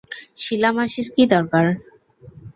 শিলা মাসির কি দরকার?